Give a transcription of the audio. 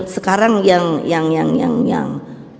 sekarang yang yang yang yang yang yang